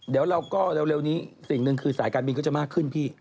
เดี๋ยวเราก็เร็วนี้สิ่งหนึ่งคือสายการบินก็จะมากขึ้นพี่